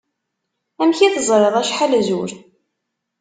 Amek i teẓriḍ acḥal zur?